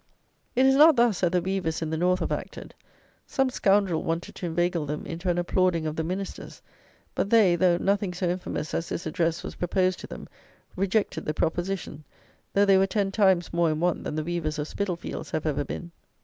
It is not thus that the weavers in the north have acted. Some scoundrel wanted to inveigle them into an applauding of the Ministers; but they, though nothing so infamous as this address was proposed to them, rejected the proposition, though they were ten times more in want than the weavers of Spitalfields have ever been.